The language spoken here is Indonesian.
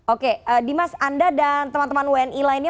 oke dimas anda dan teman teman wni lainnya